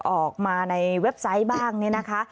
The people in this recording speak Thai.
ออกมาในเว็บไซต์บ้างเนี่ยนะคะ